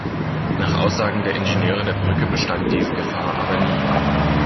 Nach Aussagen der Ingenieure der Brücke bestand diese Gefahr aber nie.